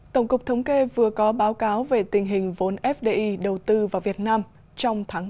tổng cục thống kê vừa có báo cáo về tình hình vốn fdi đầu tư vào việt nam trong tháng bốn